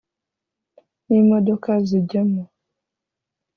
n’imodoka zijyamo